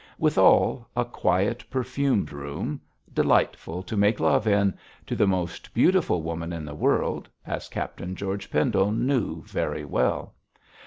Withal, a quiet, perfumed room, delightful to make love in, to the most beautiful woman in the world, as Captain George Pendle knew very well.